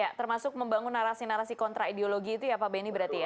ya termasuk membangun narasi narasi kontra ideologi itu ya pak beni berarti ya